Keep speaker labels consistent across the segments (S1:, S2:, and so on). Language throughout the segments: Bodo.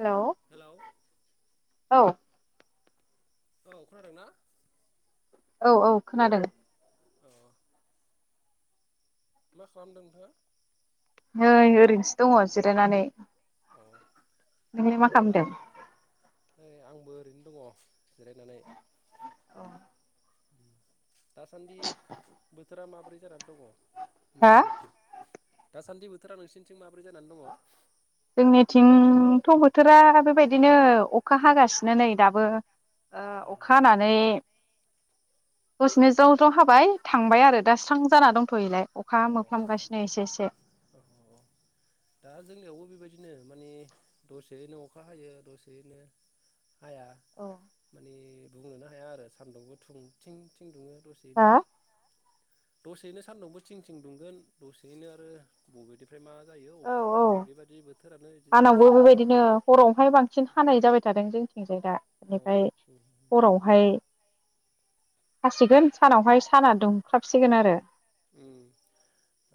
S1: हेलौ
S2: हेलौ
S1: औ
S2: औ खोनादों ना
S1: औ औ खोनादों
S2: औ मा खालामदों नोंथाङा
S1: नै ओरैनोसो दङ जिरायनानै
S2: अ
S1: नोंलाय मा
S2: दा
S1: खालामदों
S2: नै आंबो ओरैनो दङ जिरायनानै दासान्दि बोथोरा मा [unintelligible] दङ
S1: हा
S2: नोंसिनि थिं। हा? दासान्दि बोथोरा नोंसिोरनिथिं माबोरै जानानै दङ
S1: जोंनिथिंथ' बोथोरा बेबायदिनो अखा हागासिनो नै दाबो ओ अखा हानानै दसनो ज्राव ज्राव हाबाय थांबाय आरो दा स्रां जाना दंथ'योलाय अखा
S2: अ
S1: मोफ्लामगासिनो एसे एसे
S2: बिदिनो माने दसेयैनो अखा हायो दसेयैनो हाया
S1: औ
S2: माने बुंनोनो हाया आरो सान्दुंबो थुं थिं थिं दुङो दसेयैनो
S1: हा
S2: दसेनो सानदुं बो थिं थिं दुंगोन दसेयैनो आरो बेबादि ओमफ्राय मा जायो
S1: औ
S2: अखा
S1: औ
S2: फैनाय बेबादि बोथोरानो इदि
S1: आंनावबो
S2: जागासिनो आरो
S1: बेबायदिनो हरावहाय बांसिन हानाय जाबाय थादों जोंनिथिं जाय दा
S2: अ
S1: बेनिफ्राय हरावहाय हासिगोन सानावहाय साना दुंख्लाबसिगोन आरो
S2: उम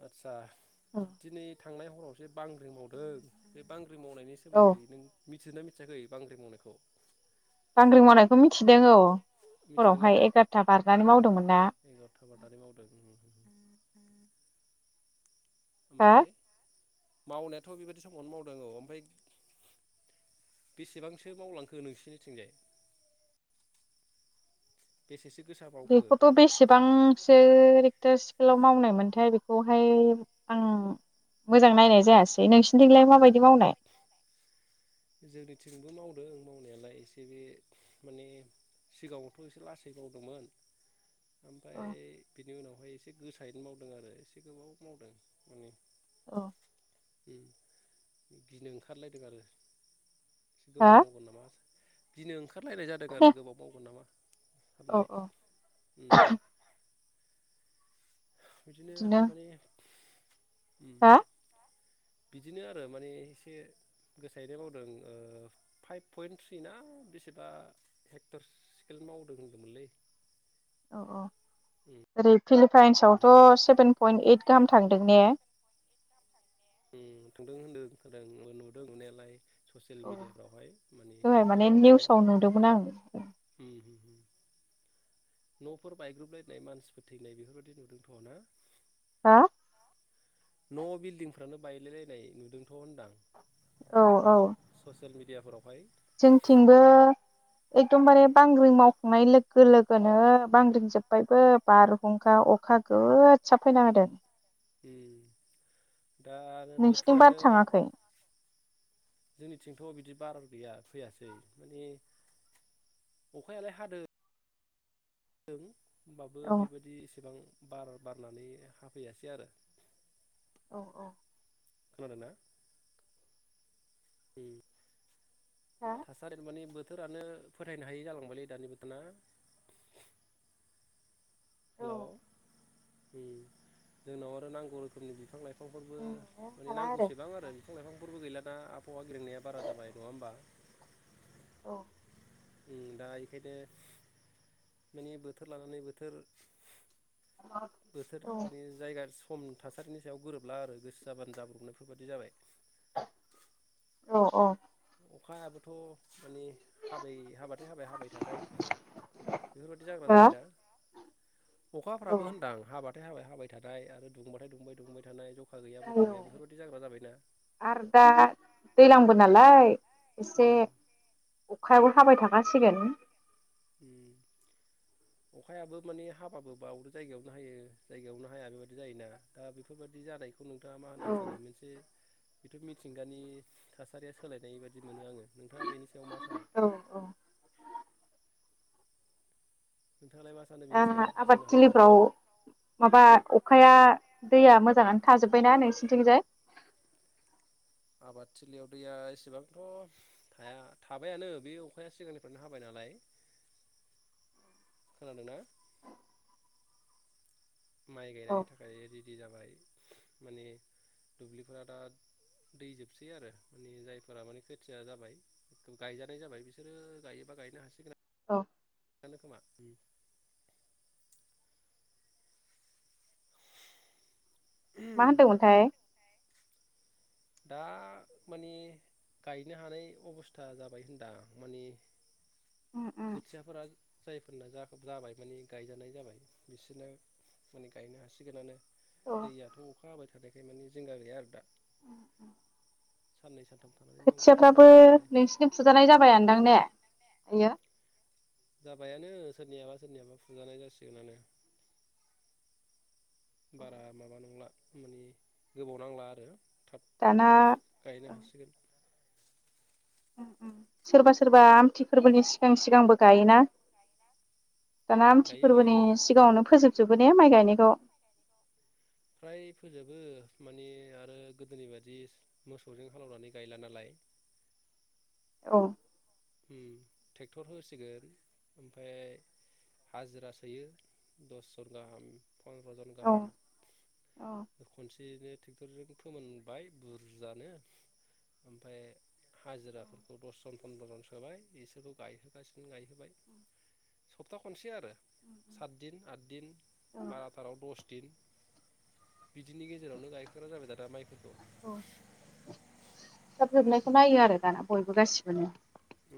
S2: आतसा दिनै थांनाय हराव से बांग्रिं मावदों बे बांग्रिं मावनायनि
S1: औ
S2: सोमोन्दै नों मिथिदोना मिथियाखै बांग्रिं मावनायखौ
S1: बांग्रिं मावनायखौ मिथिदों औ
S2: मिथिदोंना
S1: हरावहाय एगार'था बारनानै मावदोंमोन ना
S2: एगार'था बारनानै मावदों
S1: हा
S2: ओमफाय मावनायाथ बेबायदि समावनो मावदों औ ओमफाय बेसेबांसो मावलांखो नोंसिनिथिंजाय बेसेसे
S1: बेखौथ' बेसेबांसो रेक स्केलाव मावनाय मोनथाय बेखौहाय आं मोजां नायनाय जायासै नोंसिनि
S2: जोंनिथिंबो मावदो मावदों मावनायालाय एसे बे माने सिगाङावथ' एसे लासै मावदोंमोन ओमफ्राय
S1: औ
S2: बिनि उनावहाय एसे गोसायैनो मावदों आरो एसे गोबाव मावदों माने
S1: औ
S2: उम गिनो ओंखारलायदों आरो एसे
S1: हा
S2: गोबाव मावगोन नामा सा गिनो ओंखार खारलायनाय जादों आरो
S1: खोनाया
S2: गोबाव मावगोन नामा
S1: औ
S2: साननानै
S1: औ
S2: ओम बिदिनो माने उम
S1: हा
S2: बिदिनो आरो माने एसे गोसाहैनाय मावदों ओ फाइभ पइन्ट थ्रि ना बेसेबा हेक्टर स्केल मावदों होनदोंमोनलै उम
S1: अ ओरै फिलिपाइन्सावथ' सेभेन पइन्ट ओइद गाहाम थांदों ने
S2: उम थांदों होनदों होनखादों नुदों नुनायालाय ससियेल
S1: औ
S2: मेडियाफ्रावहाय माने
S1: दहाय माने निउसाव नुदोंमोन आं
S2: न' न'फोर बायग्रुबलायनाय मानसिफोर थैनाय बेफोर बायदि नुदोंथ' ना
S1: हा
S2: न' बिल्डिंफ्रानो बायलायलायनाय नुदोंथ' होनदां।
S1: औ औ
S2: ससियेल मिडियाफोरावहाय
S1: जोंथिंबो एकदमबारे बांग्रिं मावखांनाय लोगो लोगोनो बांग्रिं जोब्बायबो बारहुंखा अखा गोसा फैना होदों।
S2: ओम दा आरो
S1: नोंसिनिथिं बार
S2: बोथोरानो
S1: थाङाखै
S2: जोंनिथिंथ' बिदि बार गैया फैयासै माने अखायालाय हादो दों होमबाबो
S1: औ
S2: बेबायदि एसेबां बार बारनानै हाफैयासै आरो
S1: औ औ
S2: खोनादोंना उम
S1: हा
S2: थासारि माने बो बोथोरानो फोथायनो हायि जालांबायलै दानि बो ना
S1: औ
S2: हेलौ ओम जोंनाव आरो नांगौ रोखोमनि बिफां लाइफां
S1: बुंनोनो
S2: बिफांफोरबो माने
S1: हाला
S2: नांगौसेबां आरो
S1: दा
S2: बिफां लाइफांफोरबो गैला दा आबहावा गेब्रेंनाया बारा जाबाय नङा होमबा
S1: औ
S2: ओम दा एखायनो माने बोथोर लानानै बोथोर बोथोर
S1: औ
S2: माने जायगा खम थासारिनि सायाव गोरोबला आरो गोसो जाबानो जाब्रबनायफोरबादि जाबाय
S1: औ औ
S2: अखायाबोथ' माने हाबाय हाबाथाय हाबाय हाबाय थानाय बेफोरबायादि जाग्रा
S1: हा
S2: जाबायना
S1: औ
S2: अखाफ्राबो होनदां हाबा हाबाथाय हाबाय हाबाय थानाय आरो दुंबाथाय दुंबाय दुंबाय थानाय जखा गैया बखा
S1: औ
S2: गैया बेफोरबायदि जाग्रा जाबायना
S1: आरो दा दैलांबो नालाय एसे
S2: उम
S1: अखायाबो हाबाय थाखासिगोन
S2: अखायाबो माने हाबाबो बावनो जायगायावनो हायो जायगायावनो हाया बेबायदि जायोना दा बेफोरबायदि जानायखौ खौ नोंथाङा मा
S1: औ
S2: होननानै सानो मोनसे बेथ' मिथिंगानि थासारिया सोलायनाय बादि मोनो आङो नोंथाङा बेनि सायाव मा सानो?
S1: औ औ
S2: नोंथाङालाय मा सानो
S1: ओ
S2: बेनि सायाव बुंनो हागोन नामा?
S1: आबादथिलिफ्राव माबा अखाया दैया मोजाङानो थाजोब्बायना नोंसिनिथिंजाय
S2: आबादथिलियाव दैया एसेबांथ' थाया थाबायानो बे अखाया सिगांनिफ्रायनो हाबाय नालाय खोनादोंना माइ गायनायनि
S1: औ
S2: थाखाय रिडि जाबाय माने दुब्लिफोरा दा दै जोबसै आरो मानि जायफोरा माने खोथिया जाबाय गायजानाय जाबाय बिसोरो गायोबा गायनो हासिगोन आ
S1: औ
S2: नोखोमा
S1: मा होनदोंमोनथाय
S2: दा माने गायनो हानाय अबस्था जाबाय होनदां माने
S1: उम उम
S2: खोथियाफोरा जायफोरना जा जाबाय माने गायजानाय जाबाय बिसोरना माने गायनो हासिगोनानो
S1: औ
S2: दैयाथ' अखा हाबा मानि जिंगा गैया आरो दा साननै सानथाम थानानैनो अखाया हाबाय
S1: खोथियाफ्राबो
S2: थादों नालाय
S1: नोंसिनि फुजानाय जाबाय आनदां ने इयो
S2: जाबायानो सोरनियाबा सोरनियाबा फुजानाय जासिगोनानो बारा माबा नंला माने गोबाव नांला आरो थाब
S1: दाना
S2: गायनो हासिगोन
S1: उम उम सोरबा सोरबा आमथि फोरबोनि सिगां सिगांबो गायोना दाना आमथि
S2: गायो गायो
S1: फोरबोनि सिगाङावनो फोजोब जोबो ने माइ गायनायखौ
S2: फ्राय फोजोबो माने आरो गोदोनि बादि मोसौजों हालेनानै गायला नालाय
S1: औ
S2: उम टेक्टर होसिगोन ओमफाय हाजिरा सोयो दससन गाहाम फन्द्रजन
S1: औ
S2: गाहाम
S1: औ
S2: खनसेयैनो टेक्टरजों फोमोनबाय बुरजानो ओमफाय हाजिराफोरखौ दसजन फन्द्रजनसो होबाय बिसोरखौ गायहोगासिनो गायहोबाय
S1: [inaudible]
S2: सप्ता खनसे आरो सात दिन आद दिन
S1: औ
S2: बाराथाराव दस दिन बिदिनि गेजेरावनो गायखांग्रा जाबाय दादा माइफोरखौ
S1: ओ थाब जोबनायखौ नायो आरो दाना बयबो गासिबोनो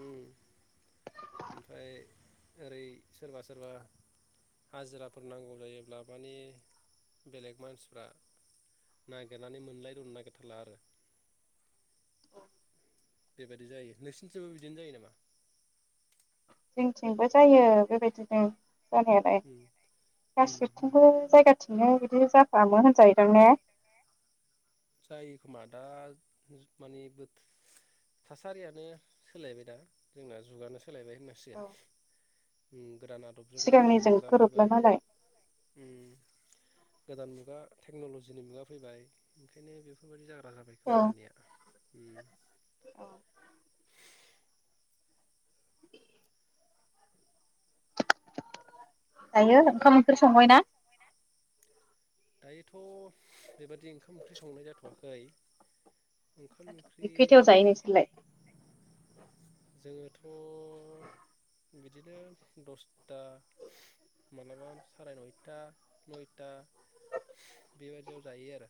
S2: ओम ओमफ्राय ओरै सोरबा सोरबा हाजिराफोर नांगौ जायोब्ला माने बेलेग मानसिफ्रा नागिरनानै मोनलाय दंनो नागिर थारला आरो बेबायदि जायो नोंसिनिथिबो बिदिनो जायो नामा
S1: जोंथिंबो जायो बेबायदिनो जानायालाय
S2: उम उम उम
S1: गासिबथिंबो जायगा [unintelligible] बिदि जाफामो होनजायोदां ने
S2: जायोखोमा दा मानि बो थासारियानो सोलायबाय दा जोंना जुगानो सो सोलायबाय होननांसिगोन
S1: औ
S2: उम गोदान आदबजों गोदान
S1: सिगांनिजों
S2: मुगा
S1: गोरोबला
S2: फैबाय
S1: नालाय
S2: उम गोदान मुगा टेक्न'ल'जिनि मुगा फैबाय ओंखायनो बेफोरबायदि जा बाय
S1: औ
S2: खोमा रानिया
S1: औ दायो
S2: खोनादोंना?
S1: ओंखाम ओंख्रि संबाय ना
S2: दायोथ' बेबादि ओंखाम ओंख्रि संनाय जाथ'वाखै ओंखाम
S1: जाथ'वाखै खैथायाव
S2: ओंख्रिनि
S1: जायो नोंसोरलाय?
S2: जोङो उम बिदिनो दसथा मालाबा साराय नयथा नयथा
S1: [inaudible]
S2: बेबायदियाव जायो आरो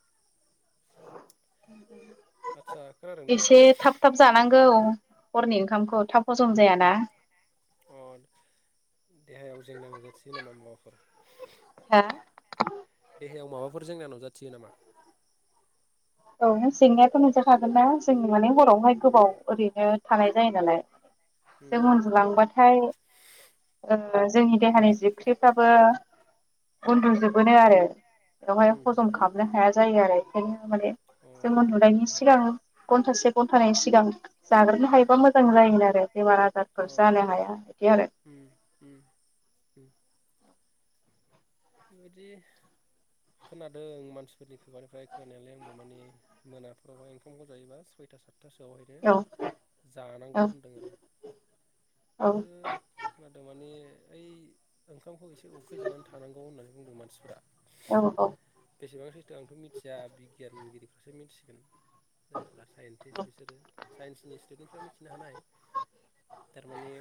S2: आदसा खोनादों
S1: [inaudible]
S2: ना
S1: एसे थाब थाब जानांगौ हरनि ओंखामखौ थाब हजम जायाना
S2: अ देहायाव जेंना नुजाथिगोन नामा मुवाफोर
S1: हा
S2: देहायाव माबाफोर जेंना नुजाथियो नामा
S1: औ जेंनायाथ' मोनजाखागोन ना जों माने हरावहाय
S2: उम
S1: गोबाव ओरैनो थानाय जायो नालाय जों
S2: उम
S1: उनदुलांबाथाय ओ
S2: उम
S1: जोंनि देहानि जि ओंख्रिफ्राबो उन्दुजबोनो आरो बेवहाय
S2: हुम
S1: हजम
S2: हुम
S1: खालामनो
S2: अ
S1: हाया
S2: हुम
S1: जायो आरो बेखायनो माने
S2: हुम औ
S1: जों उन्दुनायनि सिगां घन्टासो घन्थानैनि सिगां जाग्रोनो हायोबा मोजां जायोमोन आरो बेमार
S2: औ
S1: आजारफोर जानो हाया बिदि आरो
S2: उम उम उम बेबायदि खोनादों मानसिफोरनि खुगानिफ्राय खोनानायालाय आंबो माने मोनाफोरावहाय ओंखामखौ जायोबा सयथा सा सपथासोआवहायनो
S1: औ
S2: जानांगौ
S1: औ
S2: होनदों आरो आरो खोनादों माने ओमफाय बिफांखौ एसे उखैजानानै थानांगौ होननानै बुंदों मानसिफोरा
S1: औ औ
S2: बेसेबां सैथो' आंथ' मिथिया बिगियानगिरि बेसो मिथिगोन जायफ्रा साइन्टिस्ट बिसोरो साइन्सनि स्टुदेन्ट फोरा मिथिनो हानाय थारमाने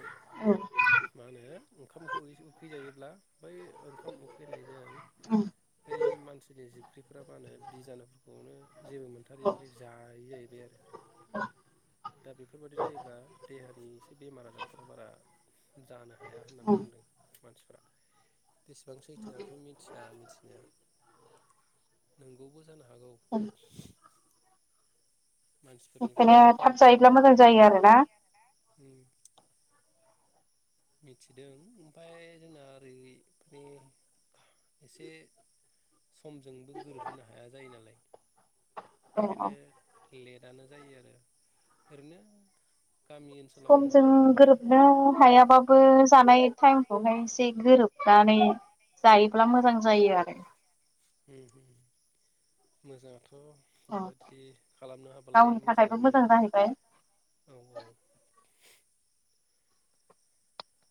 S1: औ
S2: मा होनो ओंखामखौ उखै जायोब्ला बै ओंखाम फैनायजों
S1: उम
S2: बै मानसिनि फुख्रिफ्रा बानो बिजानुफोरखौनो जेबो
S1: औ
S2: मोनथारियावहाय [unintelligible] बिदि आरो दा बेफोरबायदि जायोब्ला देहा मानि एसे बेमार आजारफोरा [unintelligible] जानो
S1: ओं
S2: उ बेसेबांसो [unintelligible] मिथिया मिथि नोंगौबो जानो हाग
S1: औ [unintelligible] बेखायनो
S2: मानसिफोरनिफ्राय
S1: थाब
S2: खोनादों आरो
S1: जायोब्ला मोजां जायो आरो ना
S2: उम मिथिदों ओमफाय जोंना ओरै [unintelligible] एसे समजोंबो गोरोबहोनो हाया जायो नालाय
S1: औ औ
S2: बेखायनो लेटआनो जायो आरो ओरैनो गामि ओनसोलाव
S1: समजों
S2: न'फ्राव थाबालाय
S1: गोरोबनो हायाबा बो जानाय टाइमखौहाय एसे गोरोबनानै जायोब्ला मोजां जायो आरो
S2: ओम मोजांथ अ
S1: औ
S2: बेबादि खालामनो हाबालाय
S1: गावनि थाखायबो
S2: मोजाङानो
S1: मोजां जाहैबाय
S2: [inaudible] औ औ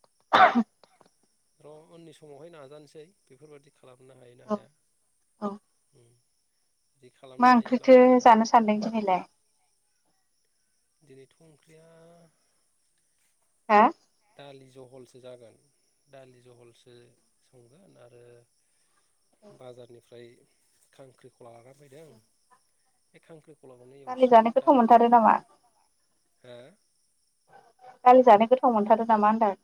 S1: [unintelligible]
S2: र' उननि समावहाय नाजानोसै बेफोरबायदि खालामनो हायो ना
S1: औ
S2: हाया
S1: औ
S2: उम बिदि
S1: मा
S2: खालामनो हायोब्ला
S1: ओंख्रिथो
S2: मोजां
S1: जानो सानदों दिनैलाय
S2: दिनैथ' ओंख्रिया
S1: हा?
S2: दालि जहलसो जागोन। दालि जहलसो संगोन आरो बाजारनि ओमफ्राय खांख्रिखला [unintelligible] बे खांख्रि खलाखौनो
S1: दालि
S2: एवसिगोन
S1: जानो गोथाव
S2: दालिजों
S1: मोनथारो नामा
S2: हो
S1: दालि जानो गोथाव मोनथारो नामा होनदां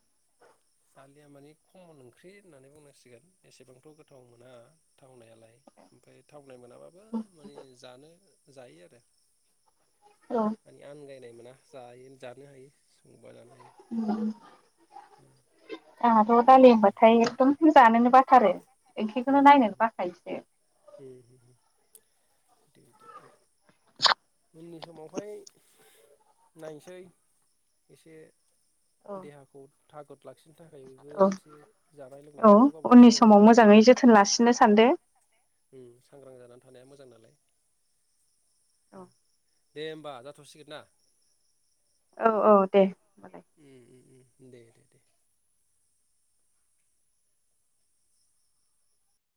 S2: दालिया माने कमन ओंख्रि होननानै बुंनांसिगोन एसेबांथ' गोथाव मोना थावनायालाय ओमफ्राय थाव नाय मोनाबाबो माने जानो जायो आरो
S1: औ
S2: माने आनगायनाय मोना जायो जानो हायो सं
S1: ओम [inaudible] आंहाथ' दालि
S2: बेबायदि
S1: होनबाथाय एखदम जानोनो बाथारो। इंख्रिखौनो नायनोनो बाखायोसो
S2: दे दे दे
S1: [unintelligible]
S2: उननि समावहाय नायनसै एसे
S1: औ
S2: देहाखौ थागद लाखिनो थाखायबो
S1: औ
S2: एसे जानाय
S1: औ
S2: लोंनायफोरखौबो गावबा गाव
S1: उननि
S2: सांग्रां
S1: समाव
S2: जानानै
S1: मोजाङै
S2: थानाया
S1: [unintelligible] सानदो
S2: उम सांग्रां जानानै थानाया मोजां नालाय दे होमबा जाथ'सिगोन ना?
S1: औ औ दे
S2: उम उम उम दे दे दे